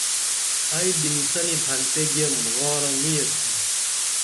ائی بِنِی سنی پھنتے گیم غارہ نی ییتُھم